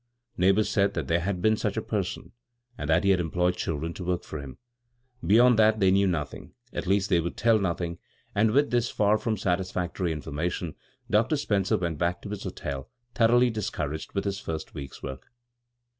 Neighbors said that there had been such a person, and that he had employed children to work (or him. Beyond that they knew nothing — at least they would tell nothing ; and with this far from satisfactory information Dr. Spencer went back to his hotel thoroughly discout^ aged with his first week's work.